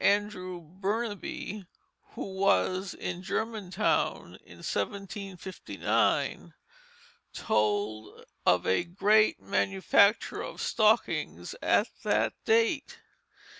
Andrew Burnaby, who was in Germantown in 1759, told of a great manufacture of stockings at that date.